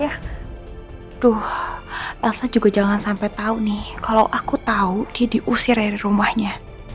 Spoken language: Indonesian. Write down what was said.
aduh elsa juga jangan sampai tahu nih kalau aku tahu dia diusir dari rumahnya